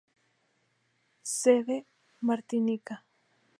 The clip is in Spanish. Sede: Martinica.